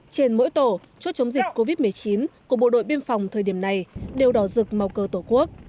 trên mỗi tổ chốt chống dịch covid một mươi chín của bộ đội biên phòng thời điểm này đều đỏ rực màu cơ tổ quốc